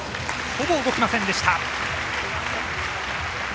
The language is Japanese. ほぼ動きませんでした。